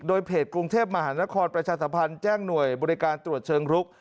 โดยเพจกรุงเทพมหานครประชาสัมพันธ์แจ้งหน่วยบริการตรวจเชิงรุก